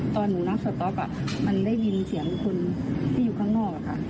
ตอนหนูนั่งสต๊อกมันได้ยินเสียงคนที่อยู่ข้างนอกค่ะ